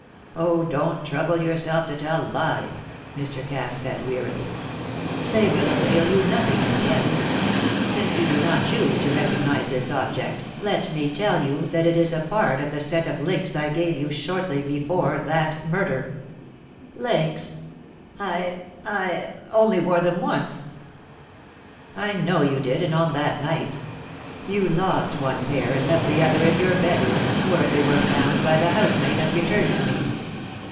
"Oh, don't trouble yourself to tell lies," Mr. Cass said, wearily. "They will avail you nothing in the end. Since you do not choose to recognise this object, let me tell you that it is a part of the set of links I gave you shortly before that murder." "Links I I only wore them once." "I know you did, and on that night. You lost one pair and left the other in your bedroom, where they were found by the housemaid and returned to me.